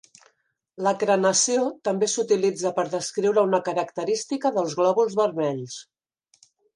La crenació també s'utilitza per descriure una característica dels glòbuls vermells.